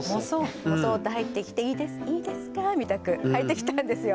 もそっと入ってきて「いいですいいですか？」みたく入ってきたんですよ。